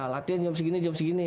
latihan jam segini jam segini